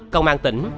công an tỉnh